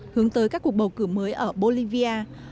hướng tới các cuộc bầu cử mới ở bolivia